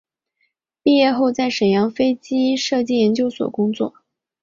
毕业后在沈阳飞机设计研究所工作。